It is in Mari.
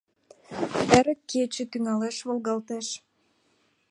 Эрык кече тӱҥалеш волгалташ.